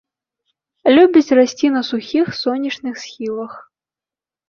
Любіць расці на сухіх, сонечных схілах.